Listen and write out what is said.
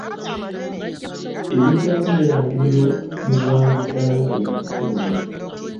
Ebivaamu birangirirwa mu bwangu ddala nga byakafuluma.